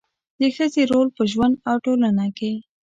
د ښځې رول په ژوند او ټولنه کې